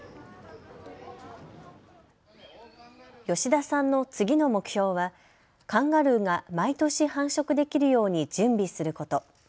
吉田さんの次の目標はカンガルーが毎年、繁殖できるように準備すること。